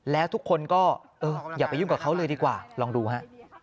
แล้วทุกคนก็เอออย่าไปยุ่งกับเขาเลยดีกว่าลองดูฮะ